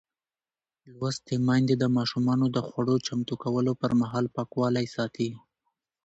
لوستې میندې د ماشومانو د خوړو چمتو کولو پر مهال پاکوالی ساتي.